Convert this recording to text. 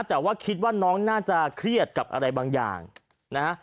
แต่ว่าคิดว่าน้องน่าจะเครียดกับอะไรบางอย่างนะฮะ